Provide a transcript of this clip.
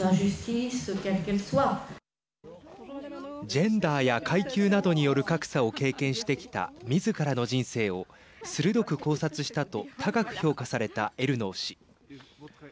ジェンダーや階級などによる格差を経験してきたみずからの人生を鋭く考察したと高く評価されたエルノー氏。